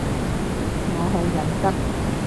我好忍得